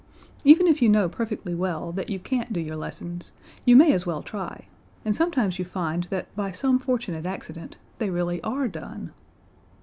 Even if you know perfectly well that you can't do your lessons, you may as well try, and sometimes you find that by some fortunate accident they really are done.